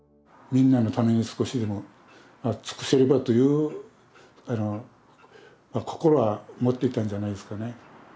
みんなのために少しでも尽くせればという心は持っていたんじゃないですかね。